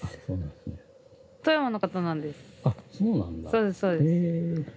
そうですそうです。